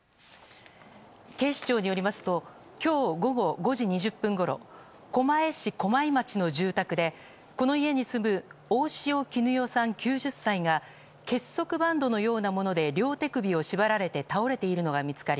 警視庁によりますと今日午後５時２０分ごろ狛江市駒井町の住宅でこの家に住む大塩衣興さん、９０歳が結束バンドのようなもので両手首を縛られて倒れているのが見つかり